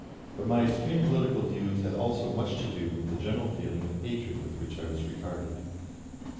But my extreme political views had also much to do with the general feeling of hatred with which I was regarded.